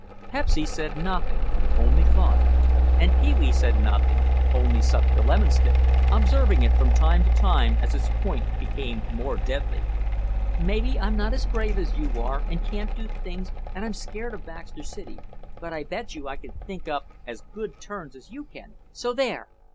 Pepsy said nothing, only thought. And Pee wee said nothing, only sucked the lemon stick, observing it from time to time, as its point became more deadly. "Maybe I'm not as brave as you are and can't do things and I'm scared of Baxter City, but I bet you I can think up as good turns as you can, so there!